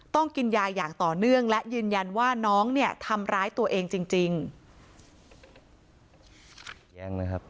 ต้องกินยาอย่างต่อเนื่องและยืนยันว่าน้องเนี่ยทำร้ายตัวเองจริงจริงแย้งนะครับ